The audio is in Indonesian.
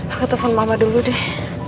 aku telpon mama dulu deh